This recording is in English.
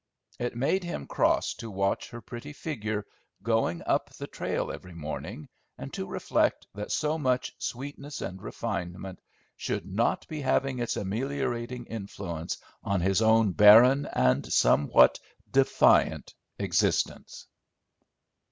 It made him cross to watch her pretty figure going up the trail every morning and to reflect that so much sweetness and refinement should not be having its ameliorating influence on his own barren and somewhat defiant existence.